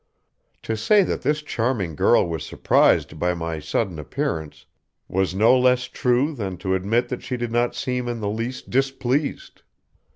To say that this charming girl was surprised by my sudden appearance was no less true than to admit that she did not seem in the least displeased.